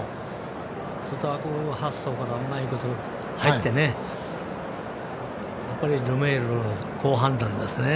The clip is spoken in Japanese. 外枠発走からうまいこと入ってやっぱりルメール、好判断ですね。